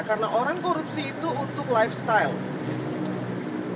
karena orang korupsi itu untuk lifestyle